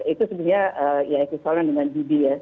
itu sebenarnya ya ekosolnya dengan gbs